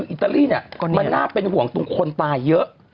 อิตาลีเนี่ยมันน่าเป็นห่วงตรงคนตายเยอะ